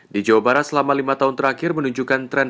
di jawa barat selama lima tahun terakhir menunjukkan tren